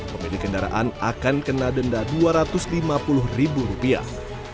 pemilik kendaraan akan kena denda dua ratus lima puluh ribu rupiah